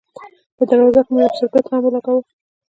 په دروازه کې مې یو سګرټ هم ولګاوه.